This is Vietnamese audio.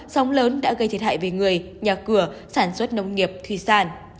sông lớn đã gây thiệt hại về người nhà cửa sản xuất nông nghiệp thủy sản